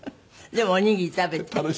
でもおにぎり食べて？